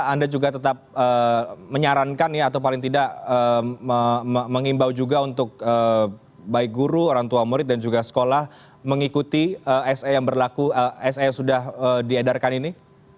anda juga tetap menyarankan ya atau paling tidak mengimbau juga untuk baik guru orang tua murid dan juga sekolah mengikuti yang berlaku se yang sudah diedarkan ini